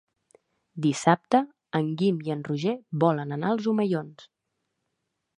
Dissabte en Guim i en Roger volen anar als Omellons.